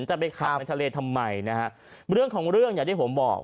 จะไปขับในทะเลทำไมนะฮะเรื่องของเรื่องอย่างที่ผมบอก